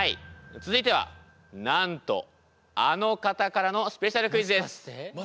続いてはなんとあの方からのスペシャルクイズです。